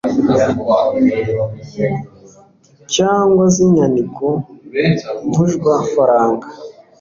cyangwa z inyandiko mvunjwafaranga